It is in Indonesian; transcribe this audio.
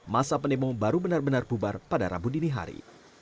masa pendemo baru benar benar bubar pada rabu dini hari